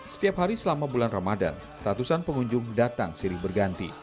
setiap hari selama bulan ramadan ratusan pengunjung datang sirih berganti